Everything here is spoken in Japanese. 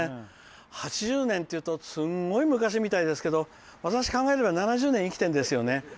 ８０年っていうとすごい昔みたいですけど私、考えてみれば７０年生きてるんですよね。